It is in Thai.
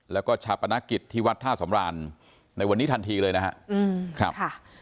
แล้วก็ชาปนกิจที่วัดท่าสำรานในวันนี้ทันทีเลยนะครับ